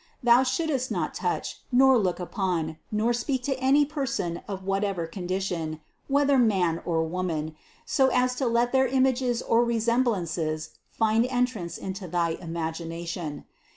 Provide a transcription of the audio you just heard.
Thou shouldst not touch, nor look upon, nor speak to any per son of whatever condition, whether man or woman, so as to let their images or resemblances find entrance into thy imagination.